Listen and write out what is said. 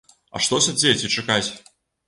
А што сядзець і чакаць?